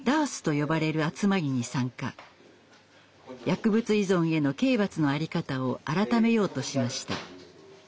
薬物依存への刑罰の在り方を改めようとしました。